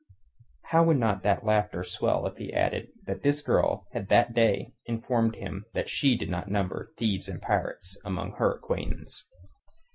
How would not that laughter swell if he added that this girl had that day informed him that she did not number thieves and pirates among her acquaintance.